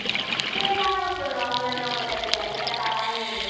セーラー服の女の子たちが戦うアニメでしょ。